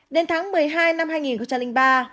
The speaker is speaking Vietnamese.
đến tháng một mươi hai năm hai nghìn ba